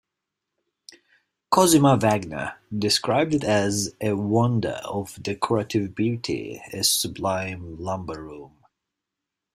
Cosima Wagner described it as a "wonder of decorative beauty, a sublime lumber-room".